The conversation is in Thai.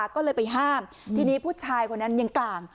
ก็เลยไปห้ามทีนี้ผู้ชายคนนั้นยังกลาง